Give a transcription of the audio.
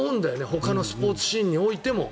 ほかのスポーツシーンにおいても。